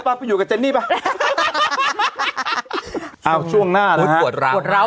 ไปไปไปไปอยู่กับเจนซ์นี้ไปเอ้าช่วงหน้านะฮะอุ้ยปวดร้าว